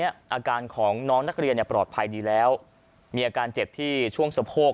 อาการของน้องนักเรียนปลอดภัยดีแล้วมีอาการเจ็บที่ช่วงสะโพก